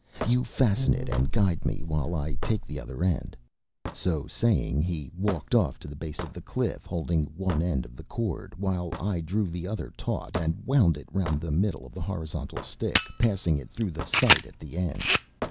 “You fasten it, and guide me while I take the other end.” So saying, he walked off to the base of the cliff, holding one end of the cord, while I drew the other taut, and wound it round the middle of the horizontal stick, passing it through the sight at the end.